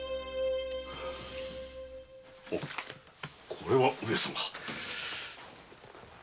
これは上様。